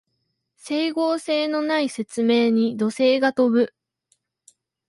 整合性のない説明に怒声が飛ぶ